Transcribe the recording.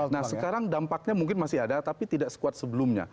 nah sekarang dampaknya mungkin masih ada tapi tidak sekuat sebelumnya